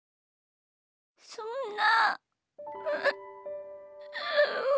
そんな。